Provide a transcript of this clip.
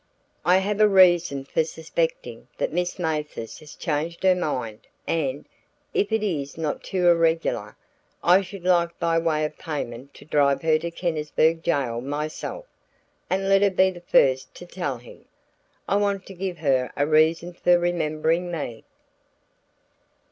"I have a reason for suspecting that Miss Mathers has changed her mind and, if it is not too irregular, I should like by way of payment to drive her to the Kennisburg jail myself and let her be the first to tell him I want to give her a reason for remembering me."